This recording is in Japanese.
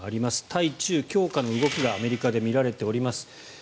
対中強化の動きがアメリカで見られています。